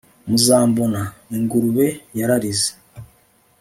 ntuzambona!' ingurube yararize